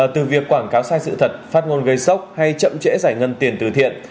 từ việc quảng cáo sai sự thật phát ngôn gây sốc hay chậm trễ giải ngân tiền từ thiện